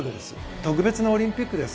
特別なオリンピックです。